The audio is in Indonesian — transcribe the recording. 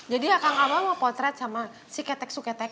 jadi akang abah mau potret sama si ketek suketek